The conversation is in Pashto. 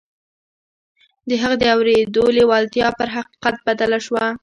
د هغه د اورېدو لېوالتیا پر حقيقت بدله شوه.